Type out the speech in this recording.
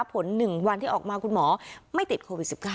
๑วันที่ออกมาคุณหมอไม่ติดโควิด๑๙